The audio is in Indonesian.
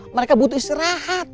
mereka butuh istirahat